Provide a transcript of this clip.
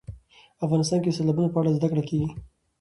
افغانستان کې د سیلابونه په اړه زده کړه کېږي.